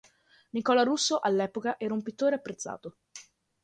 Nicola Russo all'epoca era un pittore apprezzato.